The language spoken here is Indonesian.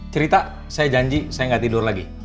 cerita saya janji saya gak tidur lagi